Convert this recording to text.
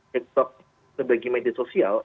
tiktok sebagai media sosial